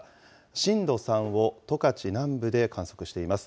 震度３を十勝南部で観測しています。